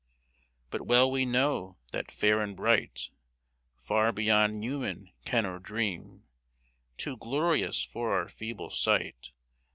But well we know that fair and bright, Far beyond human ken or dream, Too glorious for our feeble sight.